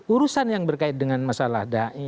urusan yang berkait dengan masalah dai